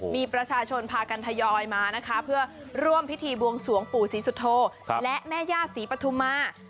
มีประชาชนพากันทยอยมานะคะเพื่อร่วมพิธีบวงสวงปู่ศรีสุโธและแม่ย่าศรีปฐุมา